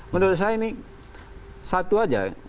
menurut saya ini satu aja